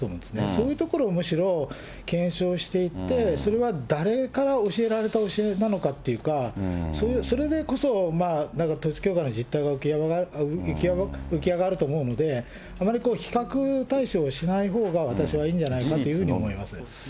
そういうところをむしろ検証していって、それは誰から教えられた教えなのかっていうか、それでこそ統一教会の実態が浮き上がると思うので、あまり比較対象しないほうが私はいいんじゃないかというふうに私は思います。